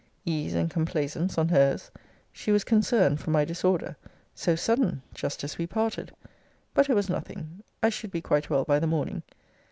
Ease and complaisance on her's. She was concerned for my disorder. So sudden! Just as we parted! But it was nothing. I should be quite well by the morning.